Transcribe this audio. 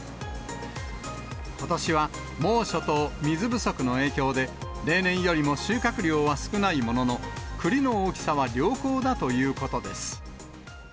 ことしは猛暑と水不足の影響で、例年よりも収穫量は少ないものの、くりの大きさは良好だということです。